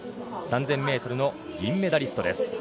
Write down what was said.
３０００ｍの銀メダリストです